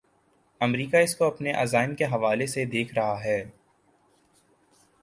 امریکہ اس کو اپنے عزائم کے حوالے سے دیکھ رہا ہے۔